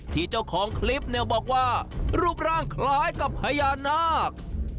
เจ้าของคลิปเนี่ยบอกว่ารูปร่างคล้ายกับพญานาค